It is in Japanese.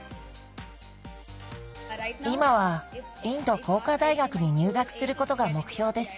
今はインド工科大学に入学することが目標です。